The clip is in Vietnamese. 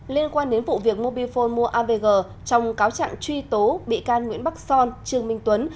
liên quan đến vụ việc mobifone mua avg trong cáo trạng truy tố bị can nguyễn bắc son trương minh tuấn